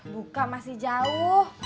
buka masih jauh